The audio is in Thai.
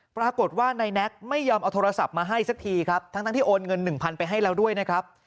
ปรากฏว่านายแน็กไม่ยอมเอาโทรศัพท์มาให้สักทีครับทั้งที่โอนเงินหนึ่งพันไปให้แล้วด้วยนะครับ